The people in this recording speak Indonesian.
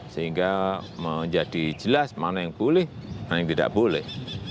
sehingga menjadi jelas mana yang boleh mana yang tidak boleh